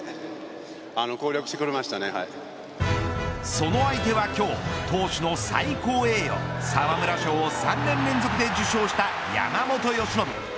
その相手は今日、投手の最高栄誉、沢村賞を３年連続で受賞した山本由伸。